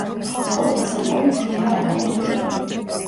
ცხოველთა სამყარო ძლიერაა განადგურებული.